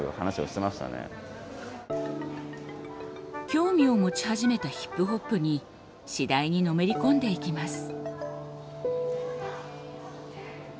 興味を持ち始めたヒップホップに次第にのめり込んでいきます。